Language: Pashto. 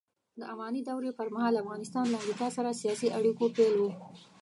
د اماني دورې پرمهال افغانستان له امریکا سره سیاسي اړیکو پیل و